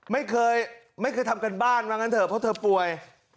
ไม่เคยทำกันบ้านเพราะเธอป่วย